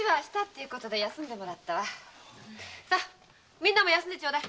みんなも寝んでちょうだい。